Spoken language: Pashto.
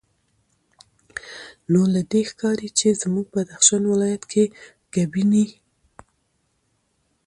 نو له دې ښکاري چې زموږ بدخشان ولایت کې ګبیني